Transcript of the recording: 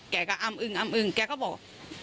แกก็อ้ำอึ้งอ้ำอึ้งแกก็บอก